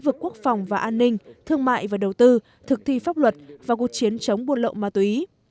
vực quốc phòng và an ninh thương mại và đầu tư thực thi pháp luật và cuộc chiến chống buôn lậu ma túy